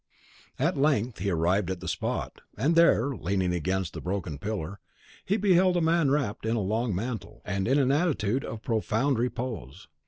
At length he arrived at the spot, and there, leaning against the broken pillar, he beheld a man wrapped in a long mantle, and in an attitude of profound repose.